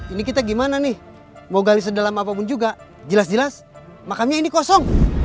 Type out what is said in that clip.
ini kita gimana nih mau gali sedalam apapun juga jelas jelas makamnya ini kosong